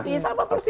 pasti sama persis